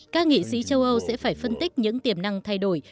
các nghị sĩ châu âu sẽ phải phân tích những tiềm năng thay đổi